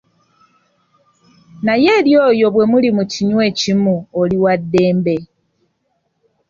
Naye eri oyo bwe muli mu kinywi ekimu oli waddembe.